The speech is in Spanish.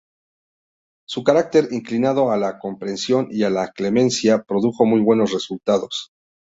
Su carácter, inclinado a la comprensión y a la clemencia, produjo muy buenos resultados.